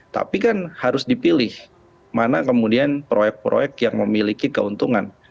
tapi kan harus dipilih mana kemudian proyek proyek yang memiliki keuntungan